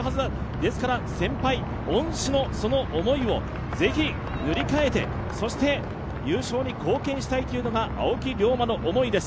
ですから先輩、恩師のその思いをぜひ塗り替えて、優勝に貢献したいというのが青木涼真の思いです。